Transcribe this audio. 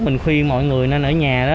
mình khuyên mọi người nên ở nhà đó